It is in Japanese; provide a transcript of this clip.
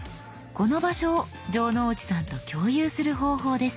この場所を城之内さんと共有する方法です。